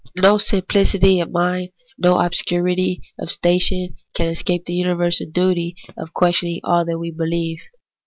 No simplicity of mind, no obscurity of station, can escape the universal duty of questioning all that we beheve.